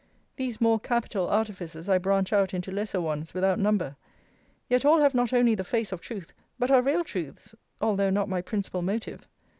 These more capital artifices I branch out into lesser ones, without number. Yet all have not only the face of truth, but are real truths; although not my principal motive.